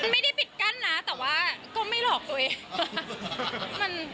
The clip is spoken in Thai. ไม่ได้ปิดกั้นนะแต่ว่าก็ไม่หลอกตัวเอง